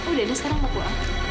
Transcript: udah deh sekarang mau pulang